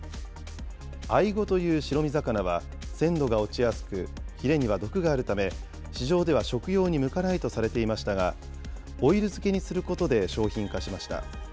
アイゴという白身魚は、鮮度が落ちやすく、ひれには毒があるため、市場では食用に向かないとされていましたが、オイル漬けにすることで商品化しました。